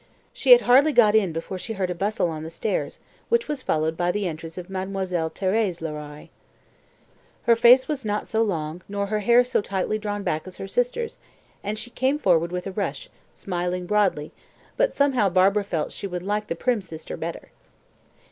She had hardly got in before she heard a bustle on the stairs, which was followed by the entrance of Mademoiselle Thérèse Loiré. Her face was not so long nor her hair so tightly drawn back as her sister's, and she came forward with a rush, smiling broadly, but, somehow, Barbara felt she would like the prim sister better.